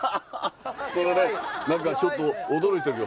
今ね、なんかちょっと驚いてるよ。